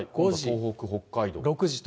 東北、北海道と。